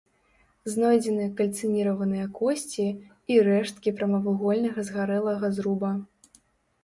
Знойдзены кальцыніраваныя косці і рэшткі прамавугольнага згарэлага зруба.